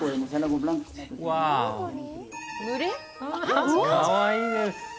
ああ、かわいいです。